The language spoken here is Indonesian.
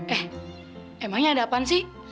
eh emangnya ada apaan sih